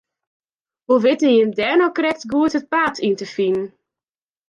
Hoe witte jim dêr no krekt goed it paad yn te finen?